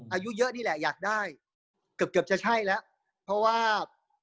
อายุเยอะนี่แหละอยากได้เกือบเกือบจะใช่แล้วเพราะว่า